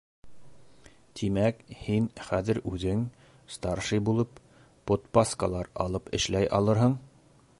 — Тимәк, һин хәҙер үҙең, старший булып, подпаскалар алып эшләй алырһың?